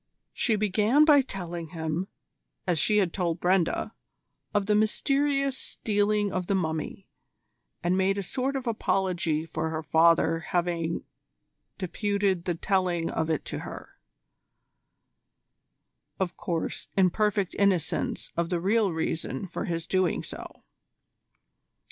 She began by telling him, as she had told Brenda, of the mysterious stealing of the Mummy, and made a sort of apology for her father having deputed the telling of it to her of course, in perfect innocence of the real reason for his doing so.